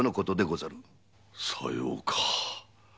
さようか。